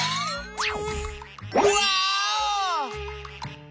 ワーオ！